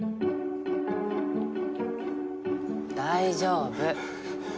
大丈夫！